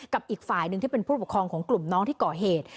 อีกฝ่ายหนึ่งที่เป็นผู้ปกครองของกลุ่มน้องที่ก่อเหตุ